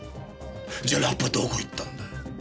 じゃラップはどこいったんだ？